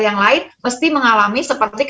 yang lain mesti mengalami seperti